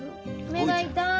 目が痛い。